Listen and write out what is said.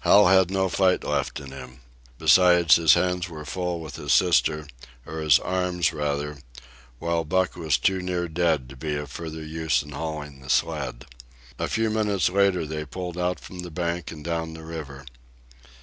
Hal had no fight left in him. Besides, his hands were full with his sister, or his arms, rather; while Buck was too near dead to be of further use in hauling the sled. A few minutes later they pulled out from the bank and down the river.